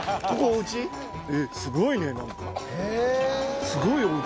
すごいねなんか。